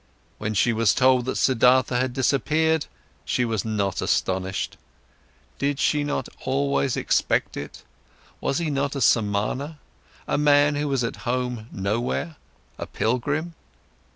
When she was told that Siddhartha had disappeared, she was not astonished. Did she not always expect it? Was he not a Samana, a man who was at home nowhere, a pilgrim?